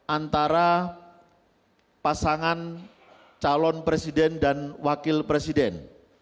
antara pasangan calon presiden dan wakil presiden